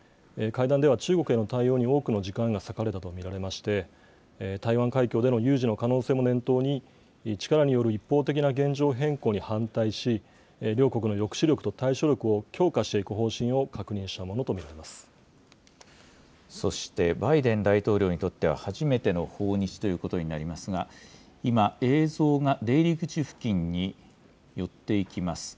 会談では、中国への対応に多くの時間が割かれたと見られまして、台湾海峡での有事の可能性も念頭に、力による一方的な現状変更に反対し、両国の抑止力と対処力を強化していく方針を確認したものと見られそして、バイデン大統領にとっては初めての訪日ということになりますが、今、映像が出入り口付近に寄っていきます。